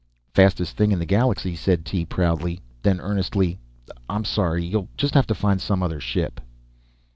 "Fastest thing in the galaxy," said Tee, proudly. Then earnestly, "I'm sorry, you'll just have to find some other ship."